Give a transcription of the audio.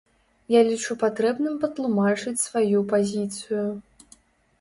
Я лічу патрэбным патлумачыць сваю пазіцыю.